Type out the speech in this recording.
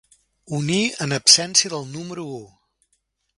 Unir en absència del número u.